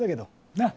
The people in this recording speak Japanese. なっ？